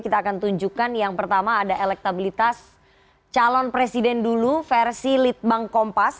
kita akan tunjukkan yang pertama ada elektabilitas calon presiden dulu versi litbang kompas